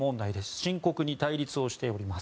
深刻に対立をしております。